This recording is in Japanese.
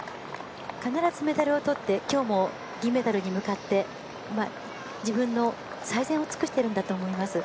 必ずメダルを取って、きょうも銀メダルに向かって自分の最善を尽くしていると思います。